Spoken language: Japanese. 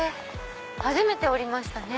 初めて降りましたね。